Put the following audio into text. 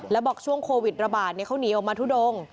แล้วบอกช่วงโควิดระบาดเขาหนีออกมาทุดง